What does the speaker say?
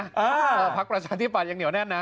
แต่ว่าคนพักประชาธิปัตย์ยังเหนียวแน่นนะ